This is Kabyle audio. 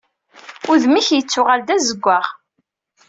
Udem-ik yettuɣal d azeggaɣ.